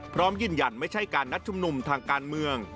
พร้อมยืนยันไม่ใช่การนัดชุมนุมทางการเมือง